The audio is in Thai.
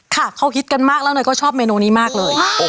ค่ะเขาฮิตกันมากแล้วเนยก็ชอบเมนูนี้มากเลย